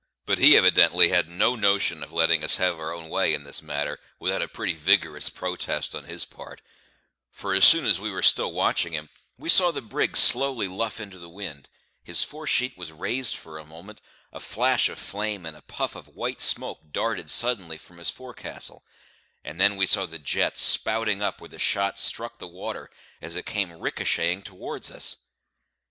But he evidently had no notion of letting us have our own way in this matter, without a pretty vigorous protest on his part; for as we were still watching him, we saw the brig slowly luff into the wind; his fore sheet was raised for a moment, a flash of flame and a puff of white smoke darted suddenly from his forecastle, and then we saw the jets spouting up where the shot struck the water, as it came ricocheting towards us.